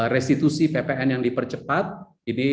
restitusi ppn yang dipercepat ini